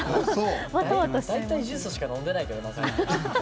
大体ジュースしか飲んでないからな。